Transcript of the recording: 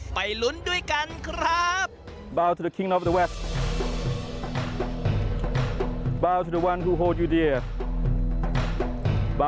ไปลุ้นด้วยกันครับ